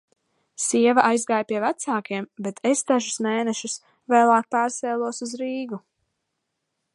Sieva aizgāja pie vecākiem, bet es dažus mēnešus vēlāk pārcēlos uz Rīgu.